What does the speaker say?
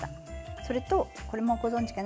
それと、これもご存じかな。